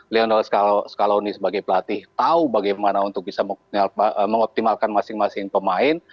lionel scaloni sebagai pelatih tahu bagaimana untuk bisa mengoptimalkan masing masing pemain